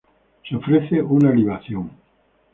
Se ofrece una libación.